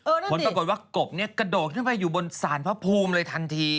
เออนั่นดิพนปรากฏว่ากบกระโดดขึ้นไปอยู่บนศาลพระภูมิเลยทันที